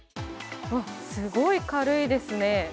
すごい軽いですね。